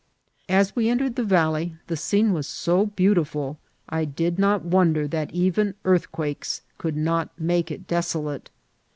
As we entered the valley, the scene was so beautiful I did not wonder that even earth quakes could not make it desolate.